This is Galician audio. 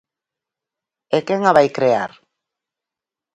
¿E quen a vai crear?